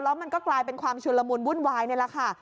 แล้วมันก็กลายเป็นความชุนละมุนวุ่นวายนี่แหละค่ะ